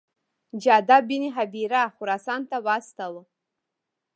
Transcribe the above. جعده بن هبیره خراسان ته واستاوه.